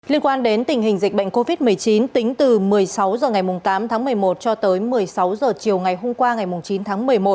liên quan đến tình hình dịch bệnh covid một mươi chín tính từ một mươi sáu h ngày tám tháng một mươi một cho tới một mươi sáu h chiều ngày hôm qua ngày chín tháng một mươi một